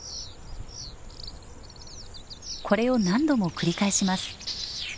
これを何度も繰り返します。